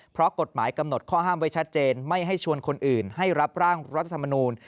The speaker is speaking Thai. เพราะกฎหมายกำหนดข้อห้ามไว้ชัดเจนไม่ให้ชวนคนอื่นให้รับร่างรัฐธรรมนูล